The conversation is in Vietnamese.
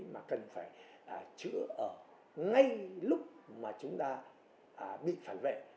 mà cần phải chữa ở ngay lúc mà chúng ta bị phản vệ